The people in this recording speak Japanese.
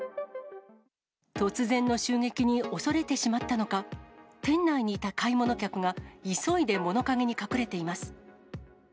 突然の襲撃に恐れてしまったのか、店内にいた買い物客が急いで物陰に隠れています。